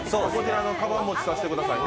「カバン持ちさせてください！」ね。